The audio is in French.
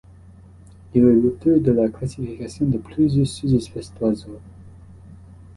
Il est l’auteur de la classification de plusieurs sous-espèces d’oiseaux.